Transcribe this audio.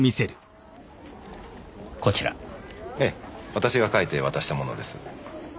私が書いて渡したものです。